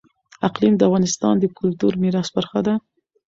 اقلیم د افغانستان د کلتوري میراث برخه ده.